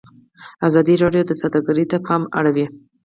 ازادي راډیو د سوداګري ته پام اړولی.